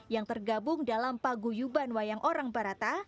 yang tergabung dalam paguyuban wayang orang barata